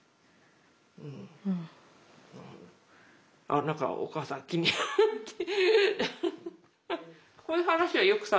あっ何かお母さん気になって。